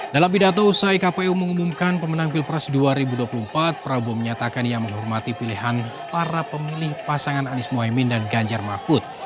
dalam pidato usai kpu mengumumkan pemenang pilpres dua ribu dua puluh empat prabowo menyatakan ia menghormati pilihan para pemilih pasangan anies mohaimin dan ganjar mahfud